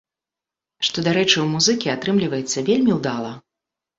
Што, дарэчы, у музыкі атрымліваецца вельмі ўдала.